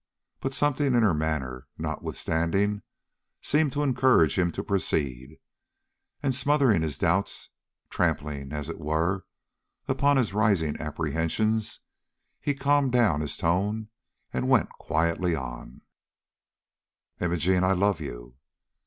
But something in her manner, notwithstanding, seemed to encourage him to proceed, and smothering his doubts, trampling, as it were, upon his rising apprehensions, he calmed down his tone and went quietly on: "Imogene, I love you."